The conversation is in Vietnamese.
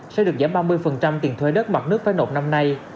sẽ được giảm ba mươi tiền thuê đất mặt nước phải nộp năm nay